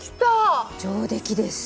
上出来です。